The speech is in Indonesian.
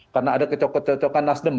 karena ada kecokot kecokan nasdem